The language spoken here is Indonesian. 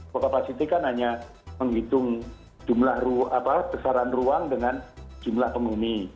over capacity kan hanya menghitung jumlah ruang apa besaran ruang dengan jumlah penghuni